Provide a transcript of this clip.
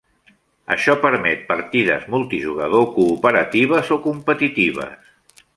Això permet partides multijugador cooperatives o competitives.